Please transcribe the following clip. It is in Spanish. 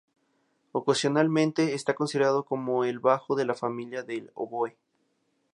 Ocasionalmente está considerado como el bajo de la familia del oboe.